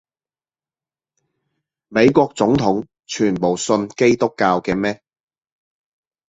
美國總統全部信基督教嘅咩？